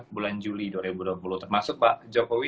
bulan juli dua ribu dua puluh termasuk pak jokowi